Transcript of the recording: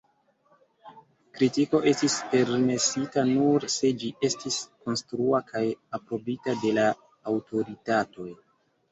Kritiko estis permesita nur se ĝi estis “konstrua” kaj aprobita de la aŭtoritatoj.